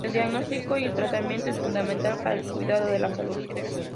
El diagnostico y el tratamiento es fundamental para el cuidado de la salud.